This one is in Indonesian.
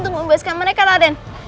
rolongga selesai masukkan